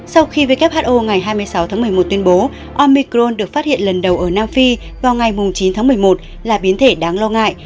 sau khi who ngày hai mươi sáu tháng một mươi một tuyên bố omicron được phát hiện lần đầu ở nam phi vào ngày chín tháng một mươi một là biến thể đáng lo ngại